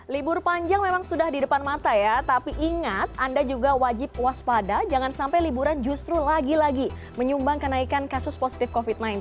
libur panjang memang sudah di depan mata ya tapi ingat anda juga wajib waspada jangan sampai liburan justru lagi lagi menyumbang kenaikan kasus positif covid sembilan belas